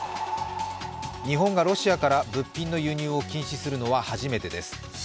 日本がロシアから、物品の輸入を禁止するのは初めてです。